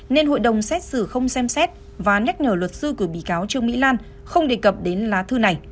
nên hội đồng xét xử không xem xét và nhắc nhở luật sư của bị cáo trương mỹ lan không đề cập đến lá thư này